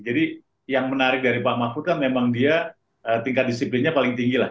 jadi yang menarik dari pak mahfud kan memang dia tingkat disiplinnya paling tinggi lah